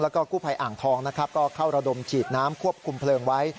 แล้วก็กู้ภัยอ่างทองนะครับก็เข้าระดมฉีดน้ำควบคุมเพลิงไว้